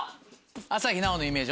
朝日奈央のイメージ